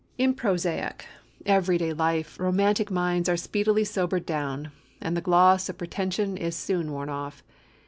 In prosaic, every day life romantic minds are speedily sobered down, and the gloss of pretension is soon worn off.